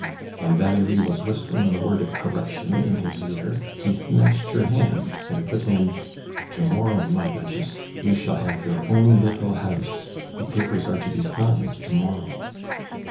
When Valerie was whispering a word of correction in his ear, he snatched her hand, and put in: "To morrow, my Duchess, you shall have your own little house! The papers are to be signed to morrow."